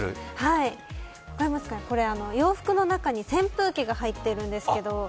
分かりますか、洋服の中に扇風機が入ってるんですけど。